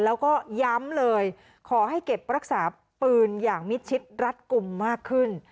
แล้วก็ย้ำเลยขอให้เก็บรักษาปืนอย่างมิดชิดรัดกลุ่มมากขึ้น